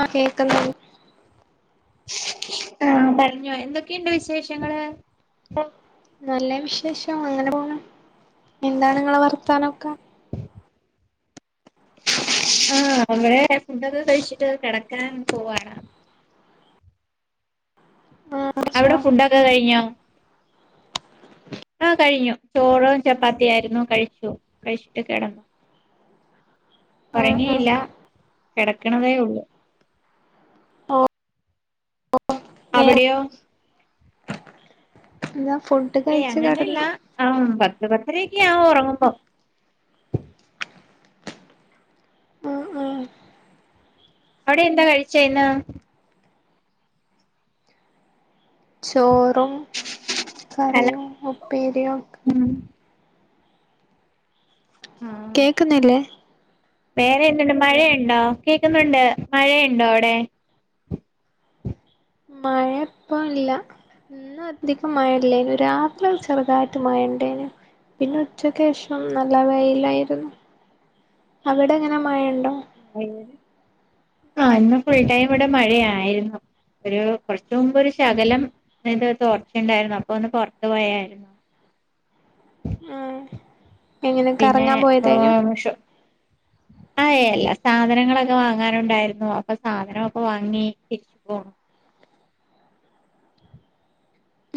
ആ കേൾക്കുന്നു ആഹ് പറഞ്ഞോ എന്തൊക്കെയുണ്ട് വിശേഷങ്ങള് നല്ല വിശേഷം അങ്ങനെ പോണ് എന്താണിങ്ങളെ വർത്താനൊക്കെ ആഹ് അവിടെ ഫുഡൊക്കെ കഴിച്ചിട്ട് കെടക്കാൻ പോവാണ് ആ ച്ചോ അവിടെ ഫുഡൊക്കെ കഴിഞ്ഞോ [inaudible] ആഹ് കഴിഞ്ഞു ചോളവും ചപ്പാത്തിയായിരുന്നു കഴിച്ചു കഴിച്ചിട്ട് കെടന്നു [inaudible] ആ ആ ഒറങ്ങിയില്ല കെടക്കണതേ ഒള്ളൂ ഓഹ് അവിടെയോ എന്ത ഏയ് അങ്ങനെയല്ല ആ പ- ആ പത്തര ഒക്കെ ആവും ഉറങ്ങുമ്പോ ആ ആ അവിടെ എന്താ കഴിച്ചേ ഇന്ന് ചോറും ഹലോ കറിയും ഉപ്പേരിയും ഉം ആഹ് കേക്കുന്നില്ലേ വേറെ എന്തുണ്ട് മഴയുണ്ടോ കേക്കുന്നുണ്ട് മഴയുണ്ടോ അവിടെ മഴ ഇപ്പം ഇല്ല ഇന്ന് അധികം മഴയില്ലേനു രാത്രി ചെറുതായിട്ട് മഴണ്ടേനു പിന്നെ ഉച്ചക്ക് ശേഷം നല്ല വെയിലായിരുന്നു അവിടെ എങ്ങനെ മഴ ഉണ്ടോ ആ ഇന്ന്ഫുൾ ടൈം ഇവിടെ മഴയായിരുന്നു ഒരു കുറച്ചു മുമ്പ് ഒരു ശകലം ഇത് തോർച്ചയുണ്ടായിരുന്നു അപ്പൊ ഒന്ന് പുറത്ത് പോയായിരുന്നു ആ എങ്ങനെ പിന്നെ കറങ്ങാൻ പോയതേനു ആ എല്ലാ സാധനങ്ങളൊക്കെ വാങ്ങാനുണ്ടായിരുന്നു അപ്പൊ സാധനമൊക്കെ വാങ്ങി തിരിച്ചു പോന്നു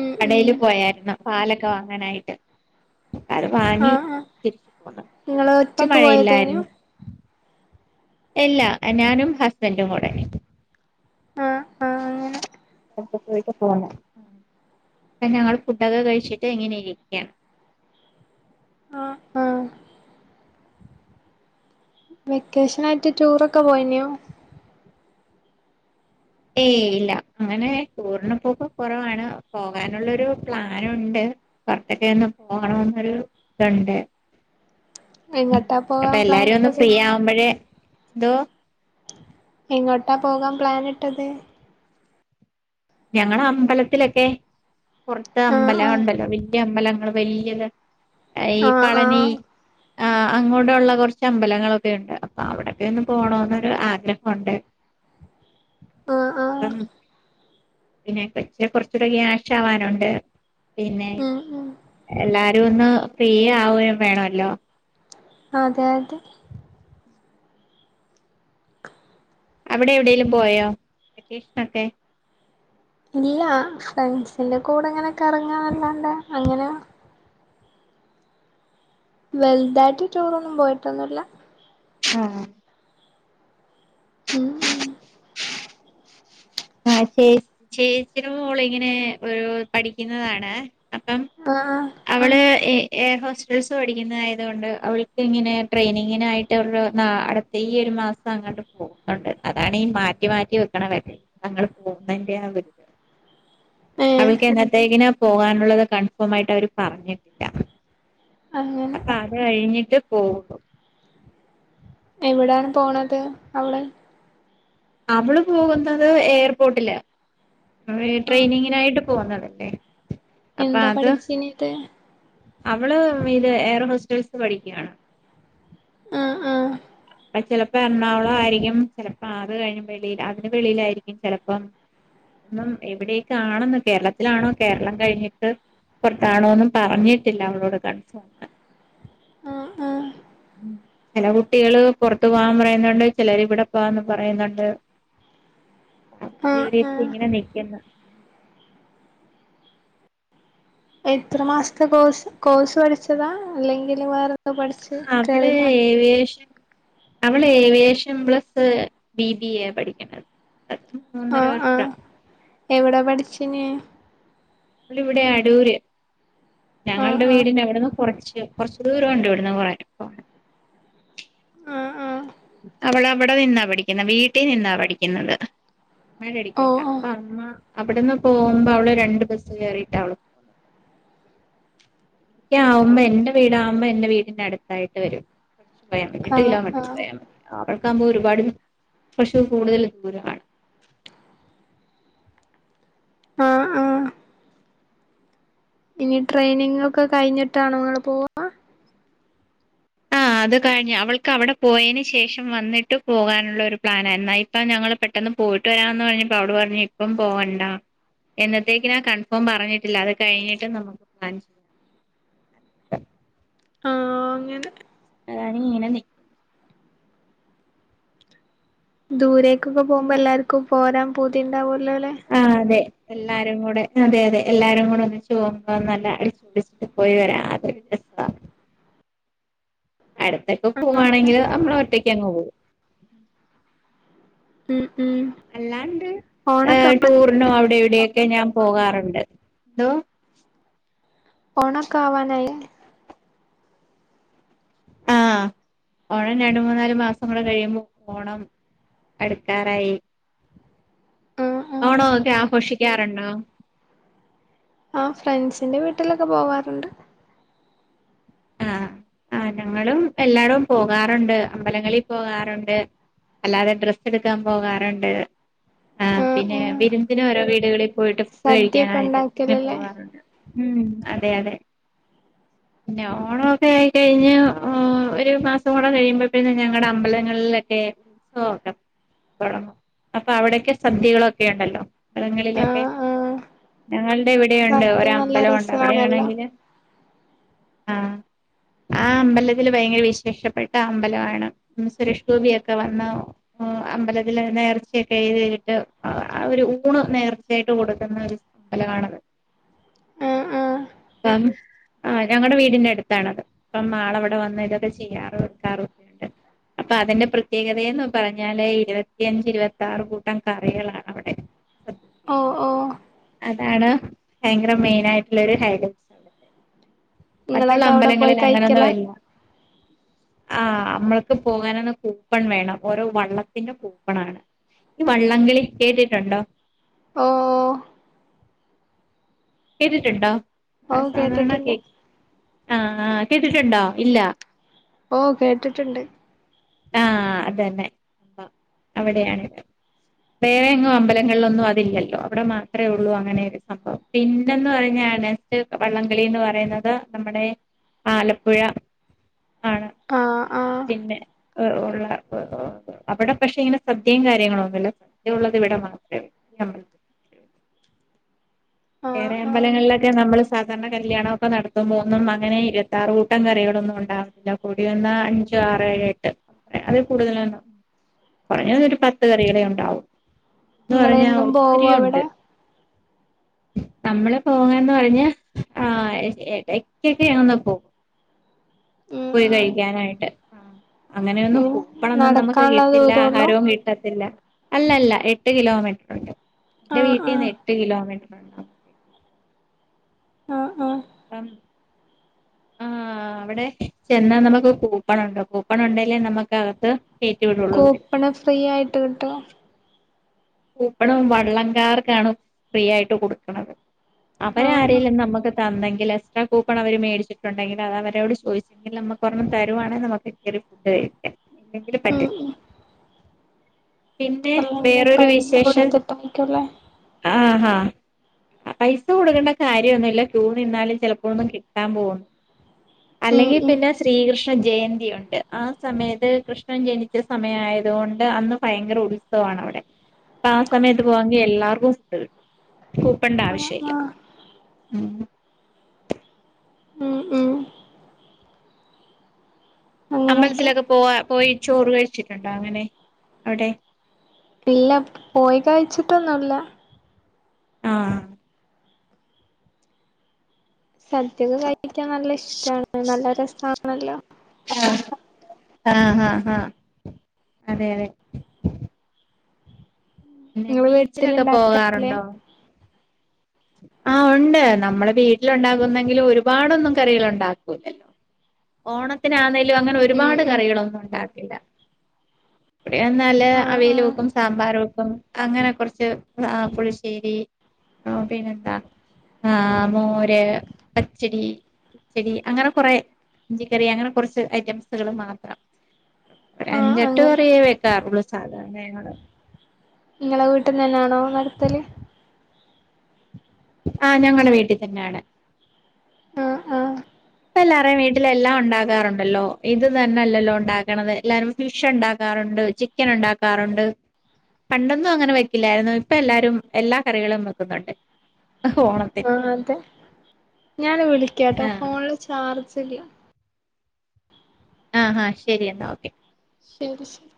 ഉം ഉം കടയില് പോയായിരുന്നു പാലൊക്കെ വാങ്ങാനായിട്ട് അത് ആ വാങ്ങി ആ തിരിച്ചു പോന്നു. നിങ്ങള് അപ്പൊ ഒറ്റക്ക് പോയതേനു മഴയില്ലായിരുന്നു അല്ലാ ഞാനും ഹസ്ബൻറും കൂടെന്നെ ആ ആ ഇക്ക ഇപ്പോ പോയിട്ട് പോണം ഇപ്പം ഞങ്ങൾ ഫുഡൊക്കെ കഴിച്ചിട്ട് ഇങ്ങനെ ഇരിക്കാണ് ആ ആ വെക്കേഷനായിട്ട് ടൂറൊക്കെ പോയിനോ ഏയ് ഇല്ല അങ്ങനെ ടൂറിന് പോക്കൊക്കെ കുറവാണ് പോകാനുള്ളൊരു പ്ലാനുണ്ട് പുറത്തൊക്കൊന്ന് പോകണന്നൊരു ഇതുണ്ട് എങ്ങട്ടാ അപ്പൊ പോകാൻ പ്ലാൻ എല്ലാരും ഒന്ന് ഇട്ടത് ഫ്രീ ആവുമ്പോഴേ എന്തോ എങ്ങോട്ടാ പോകാൻ പ്ലൻിട്ടത് ഞങ്ങള് അമ്പലത്തിലൊക്കെ പുറത്ത് ആഹ് അമ്പലം ആഹ് ഉണ്ടല്ലോ വ അമ്പലങ്ങള് വല്യത് എർ ഈ ആഹ് പളനി ആഹ് ആ അങ്ങോട്ടുള്ള കുറച്ച് അമ്പലങ്ങളൊക്കെ ഉണ്ട് അപ്പൊ അവിടൊക്കെ ഒന്ന് പോണോന്നോരു ആഗ്രഹമുണ്ട് ആഹ് ആ ആഹ് പിന്നെ കൊച്ച് കുറച്ചുകൂടെ ഒരു ആവാനുണ്ട് പിന്നെ ഉം ഉം എല്ലാരും ഒന്ന് ഫീ ആവുകയും വേണല്ലോ അതെ അതെ അവിടെ എവിടേലും പോയോ വെക്കേഷനൊക്കെ ഇല്ല ഫ്രണ്ട്സിന്റെ കൂടെ ഇങ്ങനെ കറങ്ങാന്നല്ലാണ്ടെ അങ്ങനെ വെൽതായിട്ട് ടൂറൊന്നും പോയിട്ടൊന്നുല്ല ആ ഉം ഉം ആ ചേ-ചേച്ചിടെ മോളിങ്ങനെ ഒരു പഠിക്കുന്നതാണ് അപ്പം ആ ആ അവള് ഏ എയർഹോസ്റ്റസ് പഠിക്കുന്നതായതുകൊണ്ട് അവൾക്ക് ഇങ്ങനെ ട്രെയിനിങ്ങിനായിട്ട് അവൾ [unintelligible] മാസം അങ്ങോട്ട് പോകുന്നുണ്ട് അതാണീ മാറ്റി മാറ്റി വെക്കണ വരെ ഞങ്ങൾ പോകുന്നതിന്റെ ആ ഒരു [inaudible] ഉ [unintelligible] അവൾക്ക് എന്നത്തേക്കിന പോകാനുള്ളത് കൺഫേം ആയിട്ട് അവര് പറഞ്ഞിട്ടില്ല അങ്ങനെ അപ്പൊ അത് കഴിഞ്ഞിട്ട് പോവും എവിടാണ് പോണത് അവിടെ നമ്മള് പോകുന്നത് എയർപോർട്ടില് ആഹ് ട്രെയിനിങ്ങിനായിട്ട് പോന്നതല്ലേ എന്താ പഠിച്ച ഇനത് അവള് ഇത് എയർ ഹോസ്റ്റൽസ് പഠിക്കയാണ് ആഹ് ആഹ് പ്പ ചിലപ്പോ എറണാകുളം ആയിരിക്കും ചിലപ്പോ അത് കഴിഞ്ഞ വെളി അതിന്റെ വെളിയിലായിരിക്കും ചെലപ്പം ഉം എവിടേക്കാണെന്ന് കേരളത്തിലാണോ കേരളം കഴിഞ്ഞിട്ട് പുറത്താണോ ഒന്നും പറഞ്ഞിട്ടില്ല അവളോട് കണ്ട് ആഹ് ആഹ് ചില കുട്ടികള് പുറത്തു പോവാൻ പറയുന്നുണ്ട് ചിലര് ഇവിടെ പോവാന്ന് പറയുന്നുണ്ട് ആഹ് [unintelligible] ആഹ് ഇങ്ങനെ നക്കന്ന് [inaudible] എത്ര മാസത്തെ കോഴ്സ് കോഴ്സ് പഠിച്ചതാ അല്ലെങ്കിൽ വേറെ അവിടെ ഏവിയേഷൻ അവള് aviation plus B B A പഠിക്കണ്ടത് മൂന്നര വർഷം എവിടെ പഠിച്ച്നീ നമ്മളിവിടെ അടൂര് ആഹ് ഞങ്ങളുടെ ആഹ് വീടിന്റെ അവിടന്ന് കുറച്ച് കൊറച്ച് ദൂരം ഉണ്ട് ഇവിടന്ന് കുറച്ച് പോ ആഹ് ആഹ് അവളവിടെ നിന്നാ പഠിക്കുന്ന വീട്ടിൽ നിന്നാ പഠിക്കുന്നത് അമ്മയുടെ അടിക്കല്ല ഓഹ് അപ്പ ഓഹ് അമ്മ അവിടെന്ന് പോകുമ്പോ അവള് രണ്ട് ബസ് കയറിട്ടാ അവള് പോന്നത് [inaudible] എനിക്ക് ആവുമ്പ എന്റെ വീട് ആവുമ്പ എന്റെ വീടിന്റെ അടുത്തായിട്ട് വരും യാ മതി എട്ട് ആഹ് കിലോമീറ്റർ ആഹ് പോയാൽ മതി അവർക്കാവുമോ ഒരുപാട് പക്ഷ കൂടുതൽ ദൂരമാണ് [inaudible] ആഹ് ആഹ് ഇനി ട്രെയിനിങ്ങ് ഒക്കെ കഴിഞ്ഞിട്ടാണോ അങ്ങ് പോവാ ആഹ് [inaudible] അത് കഴിഞ്ഞ് അവൾക്ക് അവിടെ പോയതിന് ശേഷം വന്നിട്ട് പോകാനുള്ളൊരു പ്ലാനായിരുന്നു ഇപ്പം ഞങ്ങൾ പെട്ടെന്ന് പോയിട്ട് വരാന്ന് പറഞ്ഞപ്പം അവള് പറഞ്ഞ് ഇപ്പം പോവണ്ട എന്നത്തേക്കിനാ കൺഫേം പറഞ്ഞിട്ടില്ല അത് കഴിഞ്ഞിട്ട് നമുക്ക് പ്ലാൻ ചെയ്യ [inaudible] അങ്ങനെ അതാണ് ഇങ്ങനെ നിക്ക് ദൂരേക്കൊക്കെ പോകുമ്പോ പിന്നെ എല്ലാർക്കും പോരാൻ പൂതി ഉണ്ടാവൂലോ അല്ലെ ആ അതെ എല്ലാരും കൂടെ അതെ അതെ എല്ലാരും കൂടെ ഒന്ന് ചുവന്നല്ല അടിച്ചുപടിച്ചിട്ട് പോയി വരാം അതെ [inaudible] അടുത്തൊക്കെ പോുവാണെങ്കില് നമ്മള ഒറ്റയ്ക്ക് അങ്ങ് പോകും ഉം ഉം അല്ലാണ്ട് ഓണൊക്കെ ടൂറിനും അവിടെ ഇവിടൊക്കെ ഞാൻ പോകാറുണ്ട് എന്തോ ഓണക്കെ ആവാനായി ആഹ് ഓണം രണ്ട് മൂന്നാല് മാസം കൂടെ കഴിയുമ്പോ ഓണം അടുക്കാറായി ആഹ് ആഹ് ഓണോ ഓക്കെ ആഘോഷിക്കാറുണ്ടോ ആഹ് ഫ്രണ്ട്സിന്റെ വീട്ടിലൊക്കെ പോവാറുണ്ട് ആഹ് [inaudible] ആഹ് ഞങ്ങളും എല്ലാടും പോകാറുണ്ട് അമ്പലങ്ങളിൽ പോകാറുണ്ട് അല്ലാതെ ഡ്രസ്സ് എടുക്കാൻ പോകാറുണ്ട് ആ ആഹ് പിന്നെ ആഹ് വിരുന്നിന് ഓരോ വീടുകളിൽ. പോയിട്ട് ഫുഡ് സദ്യയൊക്കെ കഴിക്കാനായിട്ട് ഇങ്ങനെ ഉണ്ടാക്കലല്ലേ പോകാറുണ്ട് ഉ അതെ അതെ. പിന്ന ഓണോക്കെ ആയി കഴിഞ്ഞ ഒരു മാസം ക്കൂടെ കഴിയുമ്പോ പിന്നെ ഞങ്ങളുടെ അമ്പലങ്ങളിലൊക്കെ. സൊക്കെ. തുടങ്ങും അപ്പൊ അവിടൊക്കെ സദ്യകളൊക്കെ ഉണ്ടല്ലോ അബലങ്ങളിലൊക്കെ. ആഹ് ആഹ് ഞങ്ങളുടെ ഇവിടെ ഉണ്ട് സദ്യ ഓരോ നല്ല അമ്പലൊണ്ട് രസാണല്ലോ അവിടെയാണെങ്കില്. ആ ആ. അമ്പലത്തിൽ ഭയങ്കര വിശേഷപ്പെട്ട അമ്പലമാണ് സുരേഷ് ഗോപിയൊക്കെ വന്ന അമ്പലത്തിൽ. നേർച്ചയൊക്കെ എഴതീട്ട് അവര് ഊണ് നേർച്ചയായിട്ട് കൊടുക്കുന്ന ഒരു അമ്പലമാണത്. ആഹ് ആഹ് ആ ഞങ്ങടെ വീടി. വീടിന്റെ അടുത്താണത് അപ്പാളവിടെ വന്ന് ഇതൊക്കെ ചെയ്യാറും എടുക്കാറൊക്കെണ്ട്. അപ്പൊ അതിന്റെ പ്രത്യേകതയന്ന് പറഞ്ഞാല് ഇരുപത്തിയഞ്ച് ഇരുപത്തി ആറ് കൂട്ടം കറികളാണ് അവിടെ. ഓ. അതാണ് ഭയങ്കര മെയിൻ ആയിട്ടുള്ള ഒരു ഹൈഡ. മറ്റുള്ള നിങ്ങളൊക്കെ അവിടെ പോയി അമ്പലങ്ങളിൽ കഴിക്കലാ അങ്ങനൊന്നുംല്ല. ആ് അമ്മൾക്ക് പോകാനന്ന് കൂപ്പൺ വേണം ഓരോ വള്ളത്തിന്റെ കൂപ്പൺണ്. ഈ വള്ളംകളി കേട്ടിട്ടുണ്ടോ. ഓ. കേട്ടിട്ടുണ്ടോ ഓഹ് സാധാരണ കേട്ടിട്ടുണ്ട് കേ ആഹ. ആഹ കേട്ടിട്ടുണ്ടോ ഇല്ല. ഓ കേട്ടിട്ടുണ്ട്. ആഹ അതന്നെ അവിടെയാണ്. വേറെ എങ്ങും അമ്പലങ്ങളിലൊന്നും അതില്ലല്ലോ അവിടെ മാത്രമേ ഉള്ളൂ അങ്ങനെ ഒരു സംഭവം പിന്നെന്ന് പറഞ്ഞാൽ. നെക്സ്റ്റ് വള്ളംകളിന്ന് പറയുന്നത് നമ്മുടെ ആലപ്പുഴ. ആണ് ആഹ് ആഹ് പിന്നെ ഉള്ള. അവിടെ പക്ഷെ ഇങ്ങനെ സദ്യയും കാര്യങ്ങളൊന്നുമല്ല സദ്യ ഉള്ളത് ഇവിടെ മാത്രേ ഈ അമ്പലത്ത്. ആഹ് വേറെ ആഹ് അമ്പലങ്ങളിലൊ. ക്കെ നമ്മൾ സാധാരണ കല്യാണം ഒക്കെ നടത്തുമ്പോ ഒന്നുംങ്ങനെ ഇരുത്താറൂട്ടം കറികളൊന്നും ഉണ്ടാവുന്നില്ല കൂടിവന്ന. അഞ്ചു ആറ് ഏഴ് എട്ട് അതിൽ കൂടുതലൊന്നും. കൊറഞ്ഞ ഒരു പത്ത് കറികളെ ഉണ്ടാവും എന്ന് പറഞ്ഞാ നിങ്ങളെന്നും പോവോ ഒത്തിരി ഉണ്ട്. അവിടെ അമ്മള് പോകാന്ന് പറഞ്ഞ ആ എടക്കൊക്കെ ങ്ങാനൊന്ന് പോകും. ഉം പോയി ഉം കഴിക്കാനായിട്ട് അങ്ങനെയൊന്നും. ഉം പൂപ്പണോന്നും നമുക്ക് നടക്കാനുള്ള കിട്ടില്ല ദൂരൊള്ളൂ ആഹാരവും കിട്ടത്തില്ല അല്ലല്ല എട്ട് കിലോമീറ്റർ ഉണ്ട്. എന്റെ ആഹ് വീട്ടിൽന്ന് ആഹ് എട്ട് കിലോമീറ്റർണ്ട. ആ ആ. പ്പം. ആഹ അവിടെ ചെന്നാ നമുക്ക് കൂപ്പണ ഉണ്ടോ കൂപ്പണ ഉണ്ടെലേ നമുക്ക് അകത്ത്. കയറ്റി വിടുള്ളൂ കൂപ്പണ ഫ്രീ ആയിട്ട് കിട്ടോ. പൂപ്പണം വള്ളംകാർക്കാണ് ഫ്രീ ആയിട്ട് കൊടുക്കണത്. അവര ആഹ് ആഹ് ആരെേലും നമുക്ക്. അന്തെങ്കിൽ എക്സ്ട്രാ കൂപ്പൺ അവർ മേടിച്ചിട്ടുണ്ടെങ്കിൽ അവരോട് ചോദിച്ചെങ്കിൽ നമുക്ക് ഒരണ്ണം തരുവാണങ്കിൽമുക്ക്. ഫു കഴിക്ക ഇല്ലെങ്കും ഉം പറ്റില്ല. പിന്നെ അല്ല വേറൊരു പൈസ കൊടുത്തിട്ടായിരിക്കല്ലേ. ആഹഹ. പൈസ കൊടുക്കേണ്ട കാര്യൊന്നുമല്ല ക്യൂ നിന്നാലും ചിലപ്പൊന്നും കിട്ടാൻ പോകുന്ന്. ഉം അല്ലെങ്കിൽ ഉം പിന്നെ ശ്രീകൃഷ് ണ ജയന്തിയുണ്ട് ആ സമയത്ത് കൃഷ്ണൻ ജനിച്ച സമയായതുകൊണ്ട് അന്ന് ഭയങ്കര ഉത്സവാ മാണവടെ. അപ്പ ആ സമയത്ത് പോവാങ്കി എല്ലാർക്കും ഫുഡ്‌ കിട്ടും. ആഹ് കൂപ്പണ്ണ്ടാവശില്ല്യ. ആഹ് ഉം മം മം അമ്പലത്തിലൊക്കെ പോവാ പോയി ചോറ് കഴിച്ചിട്ടുണ്ടോ അങ്ങനെ അവിടെ ഇല്ല പോയി കഴിച്ചിട്ടൊന്നുല്ല. ആഹ് സദ്യക്കെ കഴിക്കാൻ നല്ല ഇഷ്ടാണ്, നല്ല രസാണല്ലോ. ആഹ് ഹ-ഹ അതെയതെ. പിന്നെ നിങ്ങള് ബീച്ചിലൊക്കെ വീട്ടിലുണ്ടാക്കാറില്ലേ പോകാറുണ്ടോ. ആഹ് ഉണ്ട് നമ്മള് വീട്ടിലുണ്ടാകുന്നെങ്കിലും ഒരുപാടൊന്നും കറികളുണ്ടാക്കൂല. ഓണത്തിനാന്നേലും അങ്ങനെ ഉം ഒരുപാട് ഉം കറികളൊന്നുണ്ടാ [inaudible] എന്നാല് ആഹ് അവിയല് ആഹ് വെക്കും സാമ്പാറ് വെക്കും അങ്ങനെ കൊറച്ച് പുളിശ്ശേരി ആഹ് [inaudible] പിന്നെന്താ ആ മോര്, പച്ചടി കിച്ചെടി അങ്ങനെ കൊറെ ഇഞ്ചിക്കറി അങ്ങനെ കുറച്ച് ഐറ്റംസുകള് മാത്രം. ആഹ് ഒരഞ്ചെട്ട് അങ്ങനെ കറിയേ വെക്കാറുള്ളൂ സാധാരണ ഞങ്ങള് നിങ്ങള് വീട്ട്ന്നെന്നാണോ നടത്തല്. ആഹ് ഞങ്ങള് വീട്ടിത്തന്നാണ്. ആഹ് ആഹ് എല്ലാറേം വീട്ടിലെല്ലാം ഉണ്ടാക്കാറുണ്ടല്ലോ ഇത് തന്നല്ലല്ലോ ഉണ്ടാക്കണത് എല്ലാരും ഫിഷുണ്ടാക്കാറുണ്ട്. ചിക്കനുണ്ടാക്കാറുണ്ട്. പണ്ടൊന്നും അങ്ങനെ വെക്കില്ലായിരുന്നു. ഇപ്പെല്ലാരും എല്ലാ കറികളും വെക്കുന്നുണ്ട്. ഓണത്തിന് ആഹ് അതെ ഞാന് വിളിക്കാട്ടോ ആഹ് ഫോണില് ചാർജ്ജില്ല. ആഹാ ശെരിയന്നാ ഓക്കെ. ശെരി ശെരി.